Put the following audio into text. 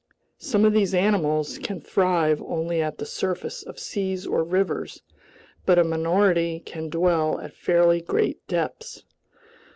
Some of these animals can thrive only at the surface of seas or rivers, but a minority can dwell at fairly great depths.